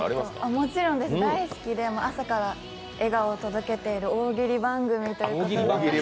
もちろんです、大好きで、朝から笑顔を届けている大喜利番組ということで。